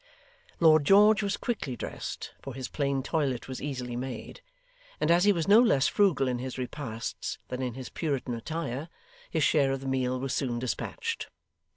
Lord George was quickly dressed (for his plain toilet was easily made), and as he was no less frugal in his repasts than in his Puritan attire, his share of the meal was soon dispatched.